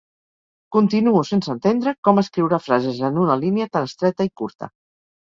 Continuo sense entendre com escriure frases en una línia tan estreta i curta.